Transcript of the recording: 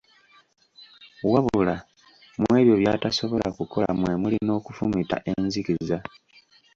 Wabula, mu ebyo by’atasobola kukola mwe muli n’okufumita enzikiza.